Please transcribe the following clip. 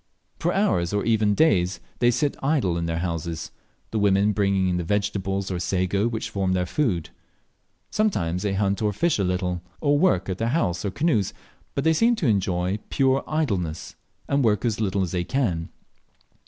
For hours or even for days they sit idle in their houses, the women bringing in the vegetables or sago which form their food. Sometimes they hunt or fish a little, or work at their houses or canoes, but they seem to enjoy pure idleness, and work as little as they can.